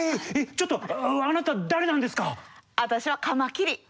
ちょっとあなた誰なんですか？